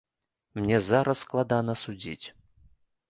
Мне зараз складана судзіць.